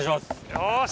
よし。